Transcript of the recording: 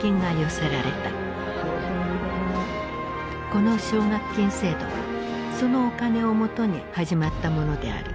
この奨学金制度はそのお金をもとに始まったものである。